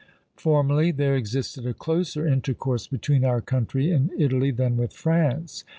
Formerly there existed a closer intercourse between our country and Italy than with France.